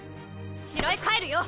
城へ帰るよ。